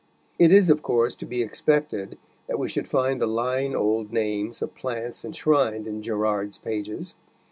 It is, of course, to be expected that we should find the line old names of plants enshrined in Gerard's pages.